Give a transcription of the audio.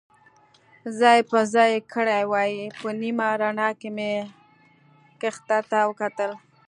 ځای پر ځای کړي وای، په نیمه رڼا کې مې کښته ته وکتل.